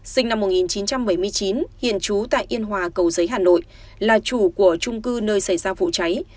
sinh năm một nghìn chín trăm bảy mươi chín hiện trú tại yên hòa cầu giấy hà nội là chủ của trung cư nơi xảy ra vụ cháy